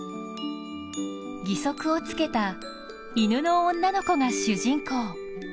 義足をつけた犬の女の子が主人公。